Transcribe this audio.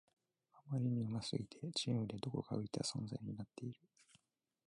あまりに上手すぎてチームでどこか浮いた存在になっている